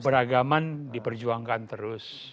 beragaman diperjuangkan terus